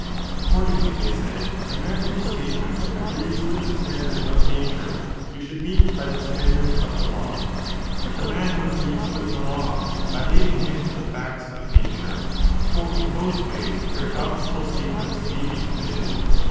Accordingly, they said, the man whose statement agrees with the standard of nature you should meet by the stan dard of the law, but the man who agrees with the law by leading him to the facts of nature : for in both ways para doxical statements may be committed.